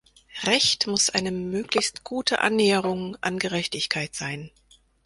Recht muss eine möglichst gute Annäherung an Gerechtigkeit sein.